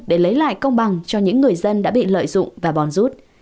để lấy lại công bằng cho những người dân đã bị lợi dụng và bòn rút